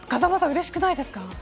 嬉しくないですか。